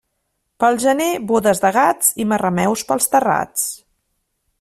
Pel gener, bodes de gats i marrameus pels terrats.